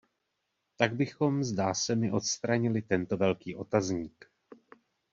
Tak bychom, zdá se mi, odstranili tento velký otazník.